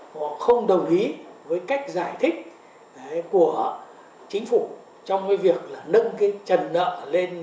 họ không đồng ý với cách giải thích của chính phủ trong cái việc là nâng cái trần nợ lên